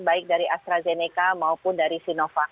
baik dari astrazeneca maupun dari sinovac